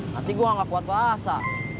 nanti gue gak kuat basah